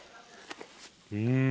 うん！